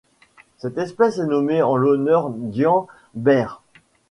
Cette espèce est nommée en l'honneur d'Ian Baird.